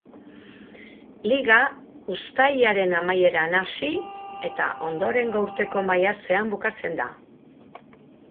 Liga uztailaren amaieran hasi eta ondorengo urteko maiatzean bukatzen da.